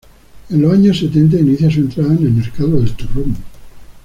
En los años setenta inicia su entrada en el mercado del turrón.